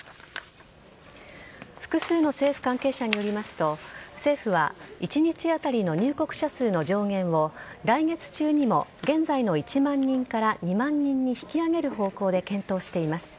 複数の政府関係者によりますと政府は一日当たりの入国者数の上限を来月中にも現在の１万人から２万人に引き上げる方向で検討しています。